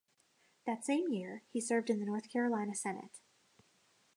That same year, he served in the North Carolina Senate.